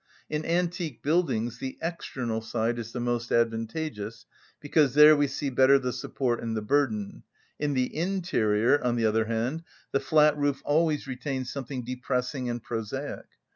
In antique buildings the external side is the most advantageous, because there we see better the support and the burden; in the interior, on the other hand, the flat roof always retains something depressing and prosaic.